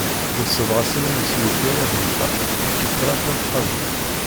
Tessebɣas iman-is i ukayad n lbak i tt-yettraǧun qabel.